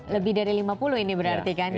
lebih dari lima puluh ini berarti kan